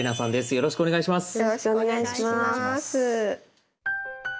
よろしくお願いします。